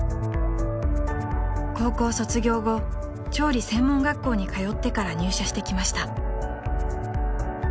［高校卒業後調理専門学校に通ってから入社してきました］